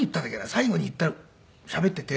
最後に言ったしゃべっていて。